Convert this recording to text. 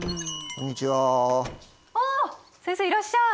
こんにちは習君。